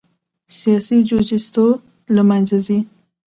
سیاسي جوجیتسو له منځه ځي.